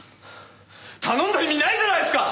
頼んだ意味ないじゃないっすか！